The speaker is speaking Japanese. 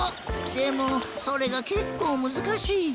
でもそれがけっこうむずかしい。